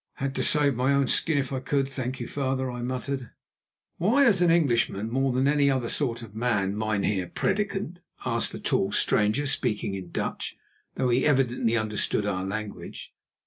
"Had to save my own skin if I could, thank you, father," I muttered. "Why as an Englishman more than any other sort of man, Mynheer prédicant?" asked the tall stranger, speaking in Dutch, although he evidently understood our language.